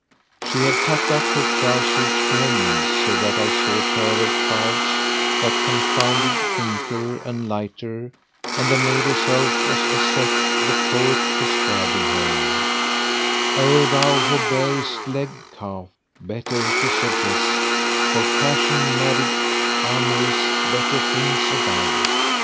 She had tucked up her trousers to her knees, so that I saw a pair of calves that confounded thinker and lighter, and the maid herself was as saith the poet describing her, "O thou who barest leg calf, better to suggest * For passion madded amourist better things above!